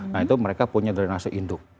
nah itu mereka punya drainase induk